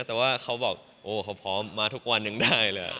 เพราะว่าเขาบอกโอ้เขาพอมาทุกวันยังได้เลยครับ